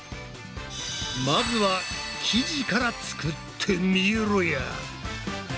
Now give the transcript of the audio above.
まずは生地から作ってみろや！